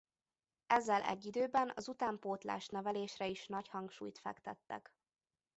Ezzel egy időben az utánpótlás-nevelésre is nagy hangsúlyt fektettek.